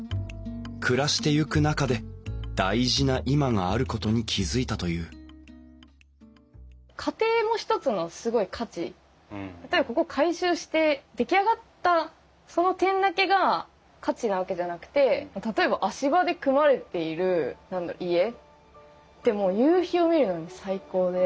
暮らしていく中で大事な今があることに気付いたという例えばここを改修して出来上がったその点だけが価値なわけじゃなくて例えば足場で組まれている家ってもう夕日を見るのに最高で。